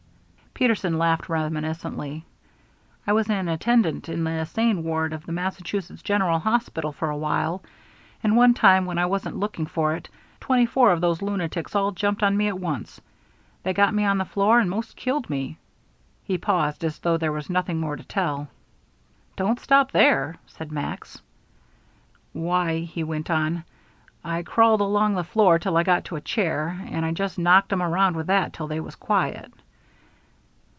Peterson laughed reminiscently. "I was an attendant in the insane ward of the Massachusetts General Hospital for a while, and one time when I wasn't looking for it, twenty four of those lunatics all jumped on me at once. They got me on the floor and 'most killed me." He paused, as though there was nothing more to tell. "Don't stop there," said Max. "Why," he went on, "I crawled along the floor till I got to a chair, and I just knocked 'em around with that till they was quiet."